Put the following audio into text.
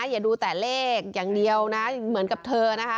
อย่าดูแต่เลขอย่างเดียวนะเหมือนกับเธอนะคะ